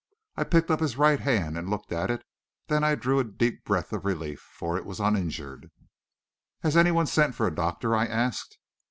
I picked up his right hand and looked at it; then I drew a deep breath of relief, for it was uninjured. "Has anyone sent for a doctor?" I asked.